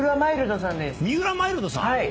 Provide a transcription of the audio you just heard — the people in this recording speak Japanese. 三浦マイルドさん